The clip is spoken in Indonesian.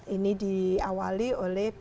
ini diawali oleh p tiga